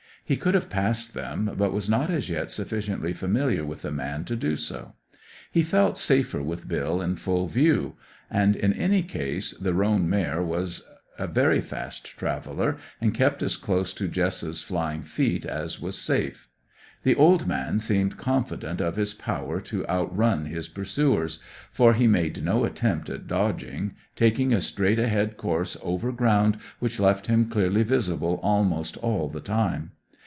He could have passed them, but was not as yet sufficiently familiar with the man to do so. He felt safer with Bill in full view; and, in any case, the roan mare was a very fast traveller and kept as close to Jess's flying feet as was safe. The old man seemed confident of his power to outrun his pursuers, for he made no attempt at dodging, taking a straight ahead course over ground which left him clearly visible almost all the time.